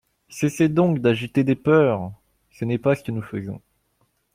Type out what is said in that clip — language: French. Cessez donc d’agiter des peurs ! Ce n’est pas ce que nous faisons.